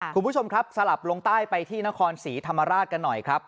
คุณผู้ชมครับสลับลงใต้ไปที่นครศรีธรรมราชกันหน่อยครับ